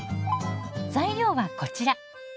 材料はこちら。